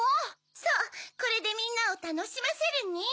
そうこれでみんなをたのしませるニン。